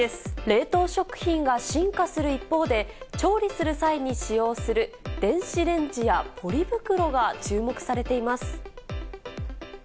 冷凍食品が進化する一方で、調理する際に使用する電子レンジやポリ袋が注目されています。